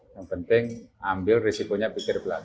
yang penting ambil risikonya pikir belanda